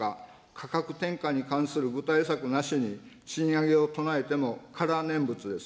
価格転嫁に関する具体策なしに賃上げを唱えてもから念仏です。